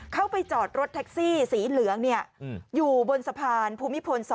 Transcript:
เข้าไปจอดรถแท็กซี่สีเหลืองอยู่บนสะพานภูมิพล๒